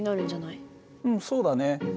うんそうだね。